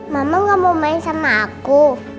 mama gak mau main sama aku